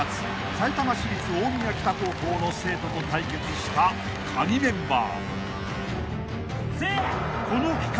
［さいたま市立大宮北高校の生徒と対決したカギメンバー］